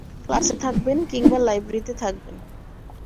ক্লাসে থাকবেন কিংবা লাইব্রেরিতে থাকবেন।